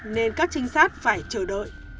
nên các trinh sát phải chờ đợi